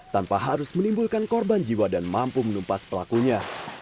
tanpa harus menimbulkan korban jiwa dan mampu menumpas pelakunya